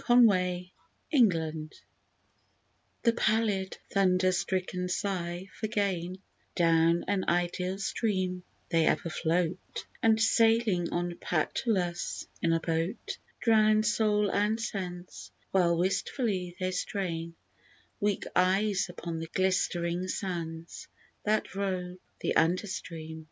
XVIII =Sonnet= The palid thunderstricken sigh for gain, Down an ideal stream they ever float, And sailing on Pactolus in a boat, Drown soul and sense, while wistfully they strain Weak eyes upon the glistering sands that robe The understream.